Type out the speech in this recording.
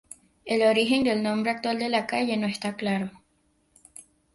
El origen del nombre actual de la calle no está claro.